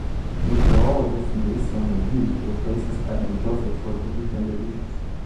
Meteorologist Melissa Magee replaces Adam Joseph for the weekend editions.